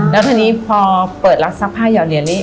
แล้วทีนี้พอเปิดร้านซักผ้าเหยาเหลียนเลย